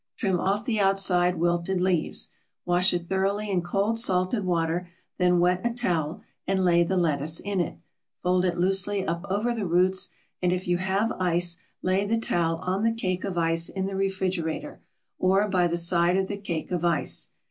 Trim off the outside wilted leaves. Wash it thoroughly in cold salted water, then wet a towel and lay the lettuce in it, fold it loosely up over the roots and if you have ice lay the towel on the cake of ice in the refrigerator or by the side of the cake of ice.